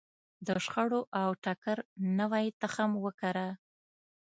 د شخړو او ټکر نوی تخم وکره.